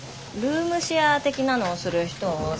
ルームシェア的なのをする人を。